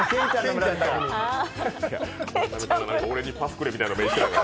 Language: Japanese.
俺にパスくれみたいな目してるから。